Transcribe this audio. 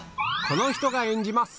この人が演じます！